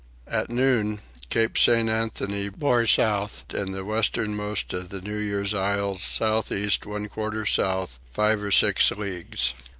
At noon Cape St. Anthony bore south and the westernmost of New Year's Isles south east one quarter south, five or six leagues.